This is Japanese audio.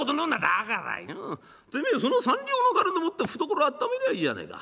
「だからよてめえその三両の金でもって懐あっためりゃいいじゃねえか。